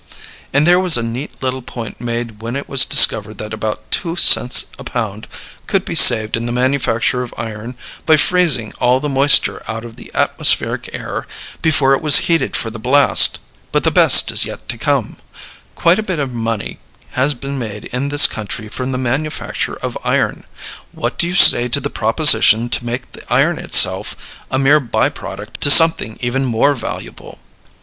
And there was a neat little point made when it was discovered that about two cents a pound could be saved in the manufacture of iron by freezing all the moisture out of the atmospheric air before it was heated for the blast. But the best is yet to come. Quite a little bit of money has been made in this country from the manufacture of iron. What do you say to the proposition to make the iron itself a mere by product to something even more valuable?